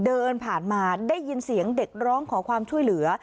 เดินผ่านมาได้ยินเสียงเด็กร้องขอความช่วยเหลือ